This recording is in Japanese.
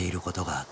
あっ！